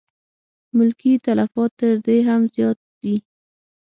ملکي تلفات تر دې هم زیات دي.